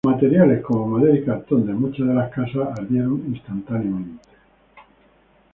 Los materiales como madera y cartón de muchas de las casas, ardieron instantáneamente.